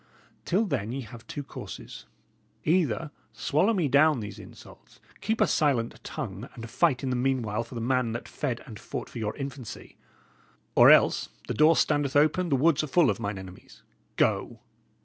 Till then ye have two courses: either swallow me down these insults, keep a silent tongue, and fight in the meanwhile for the man that fed and fought for your infancy; or else the door standeth open, the woods are full of mine enemies go."